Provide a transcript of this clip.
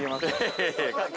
◆いやいや。